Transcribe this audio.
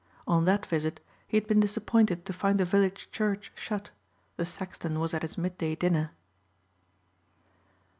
On that visit he had been disappointed to find the village church shut; the sexton was at his midday dinner.